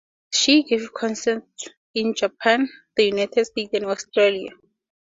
She gave concerts in Japan, the United States, and Australia.